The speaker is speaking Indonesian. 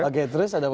oke terus ada apa lagi